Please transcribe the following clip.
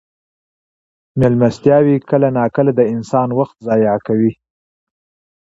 مېلمستیاوې کله ناکله د انسان وخت ضایع کوي.